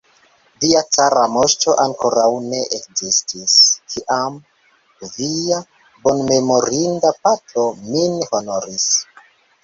Via cara moŝto ankoraŭ ne ekzistis, kiam via bonmemorinda patro min honoris.